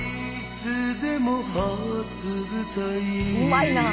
うまいなあ。